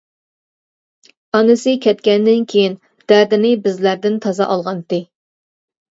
ئانىسى كەتكەندىن كىيىن دەردىنى بىزلەردىن تازا ئالغانتى.